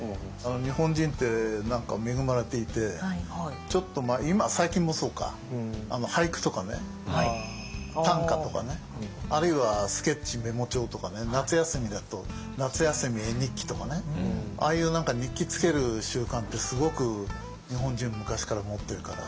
日本人って何か恵まれていてちょっと最近もそうか俳句とかね短歌とかねあるいはスケッチメモ帳とかね夏休みだと夏休み絵日記とかね。ああいう何か日記つける習慣ってすごく日本人昔から持ってるから。